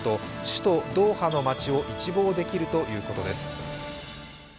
首都ドーハの街を一望できるということです。